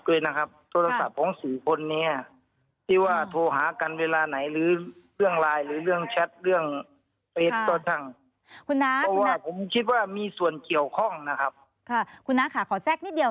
ด้วยนะครับค่ะโทรศัพธ์ของสู่คนเนี้ยที่ว่าโทรหากัน